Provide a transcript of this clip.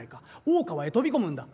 大川へ飛び込むんだ」。